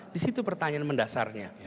disitu pertanyaan mendasarnya